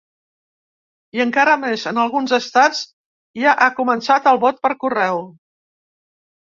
I encara més: en alguns estats ja ha començat el vot per correu.